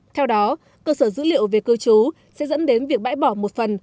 theo đó cơ sở dữ liệu về cư trú sẽ dẫn đến việc bãi bỏ một phần